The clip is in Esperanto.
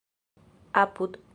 apud